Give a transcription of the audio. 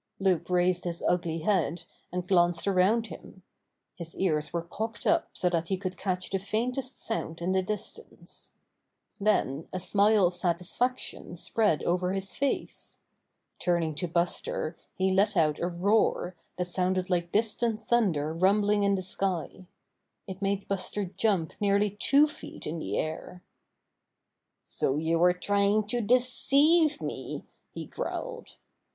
Loup raised his ugly head and glanced around him. His ears Were cocked up so that he could catch the faintest sound in the dis tance. Then a smile of satisfaction spread over his face. Turning to Buster he let out a roar that sounded like distant thunder rumbling in the sky. It made Buster jump nearly two feet in the air. "So you were trying to deceive me!" he growled.